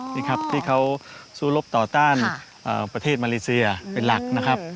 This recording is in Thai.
ในที่เขาสู้รบต่อต้านประเทศมาริเศียเป็นหลักนะครับ